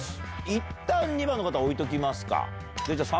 いったん２番の方置いときますか。